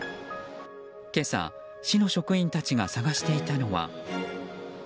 今朝、市の職員たちが探していたのは。